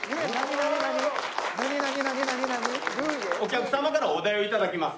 お客様からお題を頂きます。